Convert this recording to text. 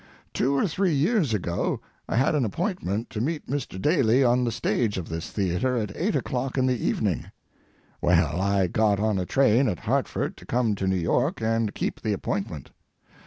Two or three years ago I had an appointment to meet Mr. Daly on the stage of this theatre at eight o'clock in the evening. Well, I got on a train at Hartford to come to New York and keep the appointment.